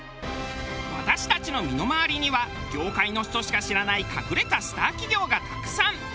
私たちの身の回りには業界の人しか知らない隠れたスター企業がたくさん。